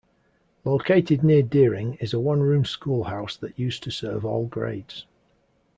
Located near Deering is a one-room schoolhouse that used to serve all grades.